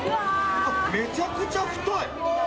めちゃくちゃ太い！